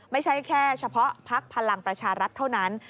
ไม่ใช่แค่เฉพาะพักพลังประชารัฐเท่านั้น